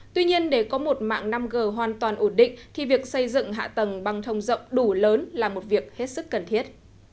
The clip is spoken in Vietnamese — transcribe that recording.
tuy nhiên để có một mạng năm g hoàn toàn ổn định thì việc xây dựng hạ tầng băng thông rộng đủ lớn là một việc hết sức cần thiết